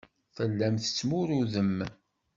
Tellam tettmurudem.